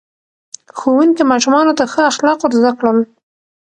ښوونکي ماشومانو ته ښه اخلاق ور زده کړل.